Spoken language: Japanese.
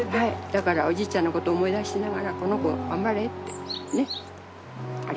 だからおじいちゃんのこと思い出しながらこの子頑張れ！ってねっ。